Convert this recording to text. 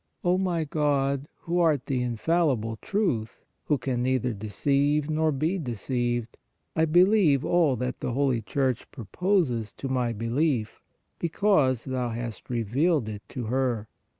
O my God, who art the infallible Truth, who can neither deceive nor be deceived, I believe all that the Holy Church proposes to my belief, be cause Thou hast revealed it to her.